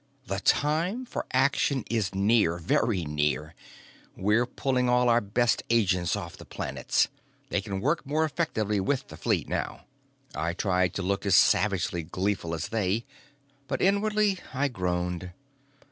"The time for action is near very near! We're pulling all our best agents off the planets. They can work more effectively with the fleet now." I tried to look as savagely gleeful as they, but inwardly I groaned.